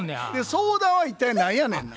相談は一体何やねんな？